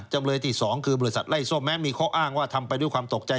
จำเลยที่๒คือบริษัทไล่ส้มแม้มีข้ออ้างว่าทำไปด้วยความตกใจ